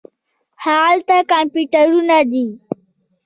هاغلته کمپیوټرونه دي.